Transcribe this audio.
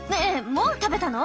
もう食べたの？